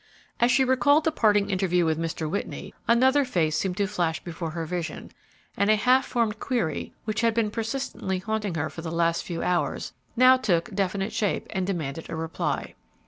As she recalled the parting interview with Mr. Whitney, another face seemed to flash before her vision, and a half formed query, which had been persistently haunting her for the last few hours, now took definite shape and demanded a reply.